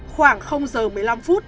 khoảng h một mươi năm phút